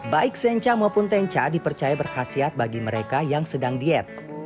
baik zencha maupun tenca dipercaya berkhasiat bagi mereka yang sedang diet